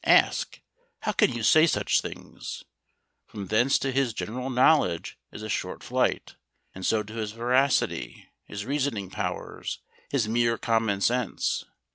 Ask: "How can you say such things?" From thence to his general knowledge is a short flight, and so to his veracity, his reasoning powers, his mere common sense.